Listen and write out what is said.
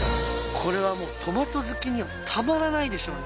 これはもうトマト好きにはたまらないでしょうね